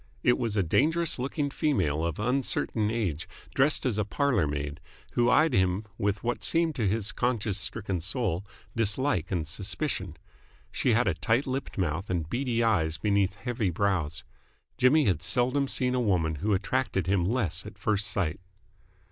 It was a dangerous looking female of uncertain age, dressed as a parlour maid, who eyed him with what seemed to his conscience stricken soul dislike and suspicion. She had a tight lipped mouth and beady eyes beneath heavy brows. Jimmy had seldom seen a woman who attracted him less at first sight.